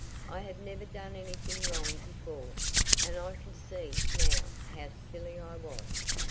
"I have never done anything wrong before and I can see, now, how silly I was."